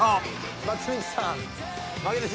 松道さん。